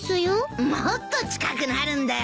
もっと近くなるんだよ。